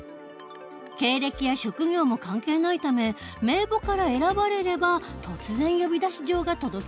経歴や職業も関係ないため名簿から選ばれれば突然呼出状が届けられる事に。